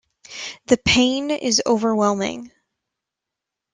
The pain is overwhelming.